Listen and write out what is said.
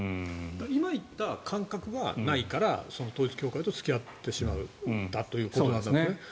今言った感覚がないから統一教会と付き合ってしまったということなんだろうね。